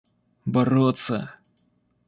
бороться